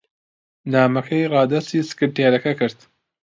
نامەکەی ڕادەستی سکرتێرەکە کرد.